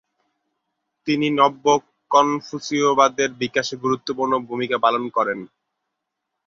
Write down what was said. তিনি নব্য-কনফুসীয়বাদের বিকাশে গুরুত্বপূর্ণ ভূমিকা পালন করেন।